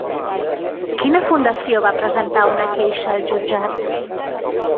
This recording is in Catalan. Quina fundació va presentar una queixa al jutjat?